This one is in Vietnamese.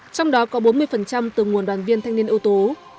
trong đó có bốn mươi từ nguồn đoàn viên thanh niên ưu tú